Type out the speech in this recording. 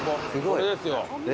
これですよ。